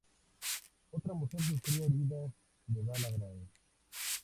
Otra mujer sufrió heridas de bala graves.